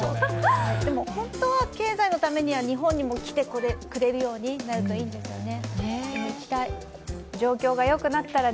本当は経済のためには日本にも来てくれるようになるといいんですけどね。